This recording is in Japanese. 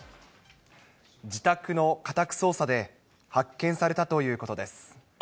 自宅の家宅捜査で発見されたということです。